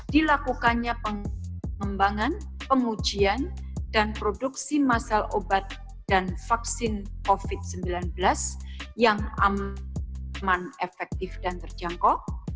dilakukannya pengembangan pengujian dan produksi masal obat dan vaksin covid sembilan belas yang aman efektif dan terjangkau